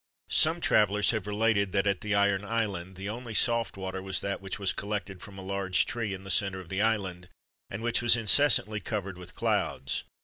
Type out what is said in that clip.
Some travellers have related, that, at the Iron Island, the only soft water was that which was collected from a large tree, in the centre of the island, and which was incessantly covered with clouds.